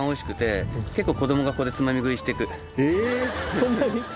そんなに？